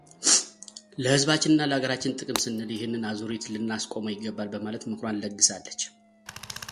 ለሕዝባችን እና ለአገራችን ጥቅም ስንል ይህንን አዙሪት ልናስቆመው ይገባል በማለትም ምክሯን ለግሳለች።